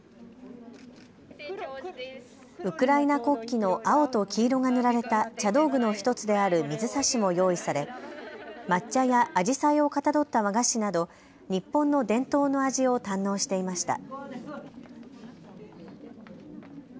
ウクライナ国旗の青と黄色が塗られた茶道具の１つである水差しも用意され、抹茶やあじさいをかたどった和菓子など日本の伝統の味を堪能していました。